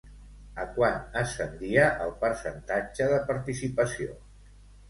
A quant ascendia el percentatge de participació?